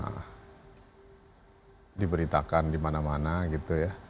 tentu kita diberitakan di mana mana gitu ya